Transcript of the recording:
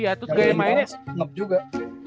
iya terus gaya mainnya